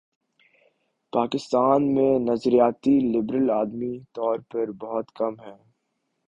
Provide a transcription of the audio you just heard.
پاکستان میں نظریاتی لبرل عددی طور پر بہت کم ہیں۔